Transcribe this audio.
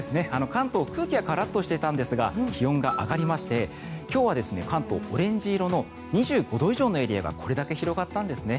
関東、空気はカラッとしていたんですが気温が上がりまして今日は関東、オレンジ色の２５度以上のエリアがこれだけ広がったんですね。